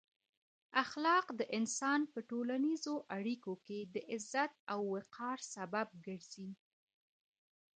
اخلاق د انسان په ټولنیزو اړیکو کې د عزت او وقار سبب ګرځي.